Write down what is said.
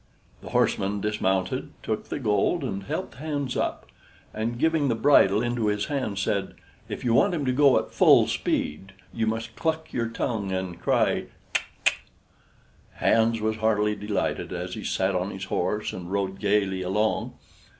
The horseman dismounted, took the gold, and helped Hans up; and, giving the bridle into his hand, said: "If you want him to go at full speed, you must cluck with your tongue and cry 'C'ck! c'ck!'" Hans was heartily delighted, as he sat on his horse and rode gaily along.